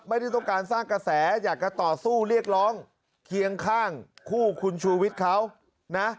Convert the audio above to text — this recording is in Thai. ไม่ได้ต้องการสร้างกระแสอยากจะต่อสู้เรียกร้องเคียงข้างคู่คุณชูวิทย์เขานะ